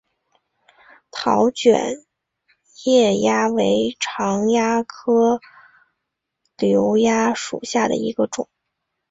桃卷叶蚜为常蚜科瘤蚜属下的一个种。